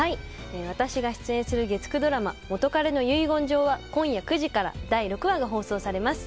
私が出演する月９ドラマ「元彼の遺言状」は今夜９時から第６話が放送されます。